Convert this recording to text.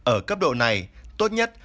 ở cấp độ này tốt nhất